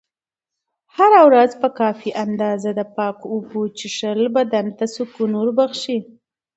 هره ورځ په کافي اندازه د پاکو اوبو څښل بدن ته سکون بښي.